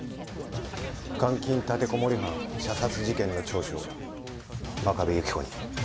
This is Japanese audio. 監禁立てこもり犯射殺事件の聴取を真壁有希子に。